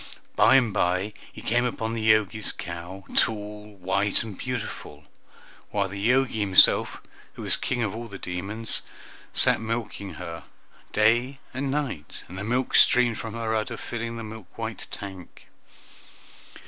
By and by he came upon the Jogi's cow, tall, white, and beautiful, while the Jogi himself, who was king of all the demons, sat milking her day and night, and the milk streamed from her udder, filling the milk white tank.